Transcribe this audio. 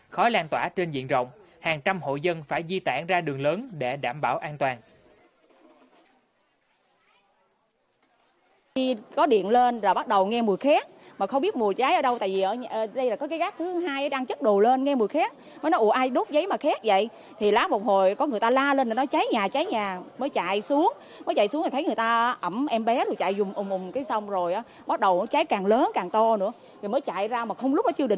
khói lan tỏa trên diện rộng hàng trăm hộ dân phải di tản ra đường lớn để đảm bảo an toàn